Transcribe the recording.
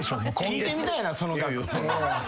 聞いてみたいなその額。